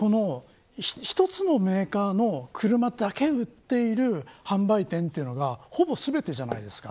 一つのメーカーの車だけを売っている販売店というのがほぼ全てじゃないですか。